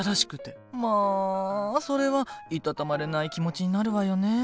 まあそれは居たたまれない気持ちになるわよねえ。